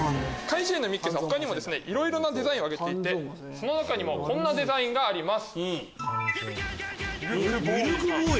みっけさんは他にもいろいろなデザインを上げていてその中にこんなデザインがあります。